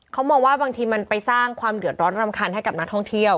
เขามองว่าบางทีมันไปสร้างความเดือดร้อนรำคาญให้กับนักท่องเที่ยว